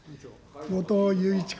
後藤祐一君。